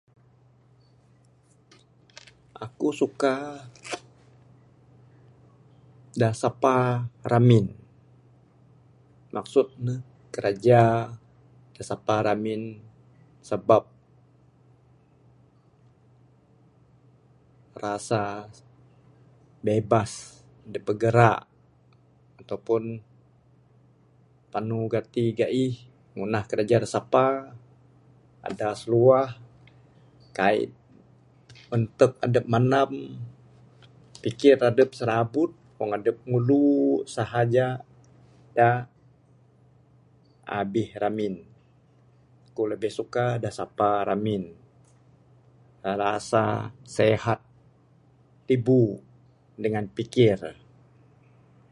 Aku suka da sapa ramin, maksud ne kraja da sapa ramin sabab rasa bebas dep bergerak ataupun panu gati gaih ngunah kraja da sapa, adas luah, kaik entek adep manam, pikir adep serabut wang adep ngulu sahaja da abih ramin. Ku lebih suka da sapa ramin, arasa sihat tibu dengan pikir .